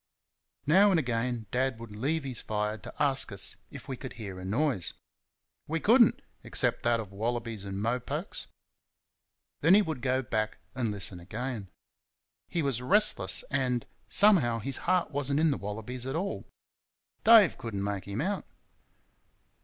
Now and again Dad would leave his fire to ask us if we could hear a noise. We could n't, except that of wallabies and mopokes. Then he would go back and listen again. He was restless, and, somehow, his heart was n't in the wallabies at all. Dave could n't make him out.